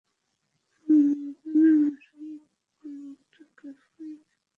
হুম, আগুনের মশালও খুব ভালো একটা কাজ করেনি।